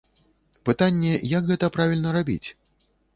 Пытанне, як гэта правільна рабіць?